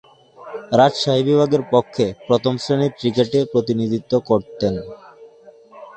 রাজশাহী বিভাগের পক্ষে প্রথম-শ্রেণীর ক্রিকেটে প্রতিনিধিত্ব করতেন।